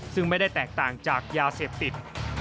ซึ่งไม่ได้แตกต่างจากยาเสพติด